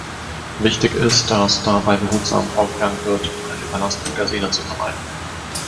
Wichtig ist, dass dabei behutsam vorgegangen wird, um eine Überlastung der Sehne zu vermeiden.